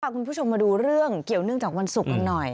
คุณผู้ชมมาดูเรื่องเกี่ยวเนื่องจากวันศุกร์กันหน่อย